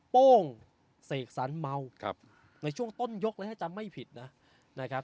โป้งเสกสรรเมาในช่วงต้นยกเลยถ้าจำไม่ผิดนะครับ